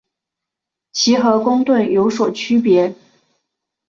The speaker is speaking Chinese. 其和公吨有所区别。